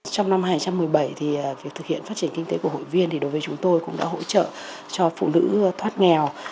trong năm hai nghìn một mươi bảy việc thực hiện phát triển kinh tế của hội viên đối với chúng tôi cũng đã hỗ trợ cho phụ nữ thoát nghèo